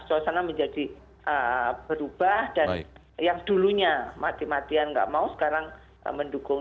suasana menjadi berubah dan yang dulunya mati matian nggak mau sekarang mendukung